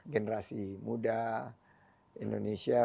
generasi muda indonesia